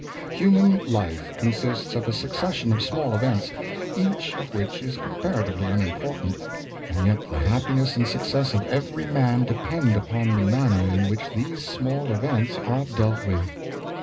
Human Hfe consists of a succession of small events, each of which is comparatively unimportant, and yet the hap piness and success of every man depend upon the man ner in which these small events are dealt with.